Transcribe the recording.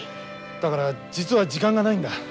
だから実は時間がないんだ。